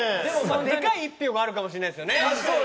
でかい１票があるかもしれないですよね。